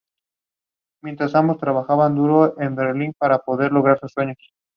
Forma parte del "Cuerpo de la Nobleza del Antiguo Reino de Galicia".